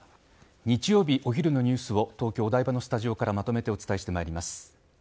日曜日、お昼のニュースを東京・お台場のスタジオからまとめてお伝えしてまいります。